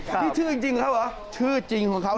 นี่ชื่อจริงของเขาหรอชื่อจริงของเขาเลย